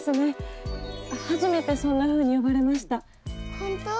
・本当？